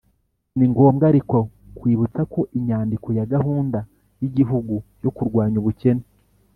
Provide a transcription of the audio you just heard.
ni ngombwa ariko kwibutsa ko inyandiko ya gahunda y'igihugu yo kurwanya ubukene